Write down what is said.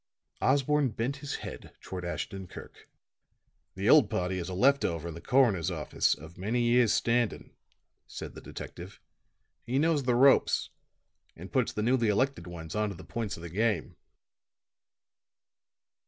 Osborne bent his head toward Ashton Kirk. "The old party is a left over in the coroner's office, of many years' standing," said the detective. "He knows the ropes and puts the newly elected ones on to the points of the game."